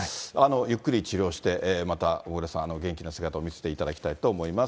ゆっくり治療して、また小倉さん、元気な姿を見せていただきたいと思います。